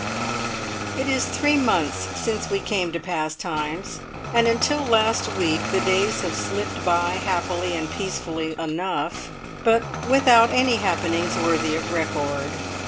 It is three months since we came to Pastimes, and until last week the days have slipped by happily and peacefully enough, but without any happenings worthy of record.